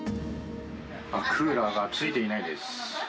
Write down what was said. クーラーがついていないです。